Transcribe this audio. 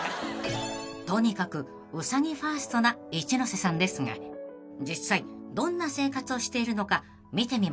［とにかくウサギファーストな一ノ瀬さんですが実際どんな生活をしているのか見てみましょう］